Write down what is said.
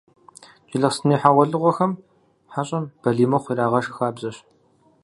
Джылэхъстэней хьэгъуэлӏыгъуэхэм хьэщӏэм «балий мыхъу» ирагъэшх хабзэщ.